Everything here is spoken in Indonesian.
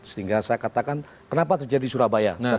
sehingga saya katakan kenapa terjadi surabaya